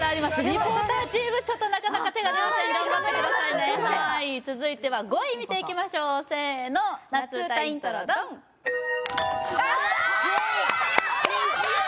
リポーターチームなかなか手が出ません頑張ってくださいね続いては５位見ていきましょうせーの夏うたイントロＤＯＮ！イエ！